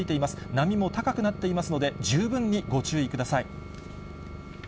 波も高くなっていますので、十分にご注意ください。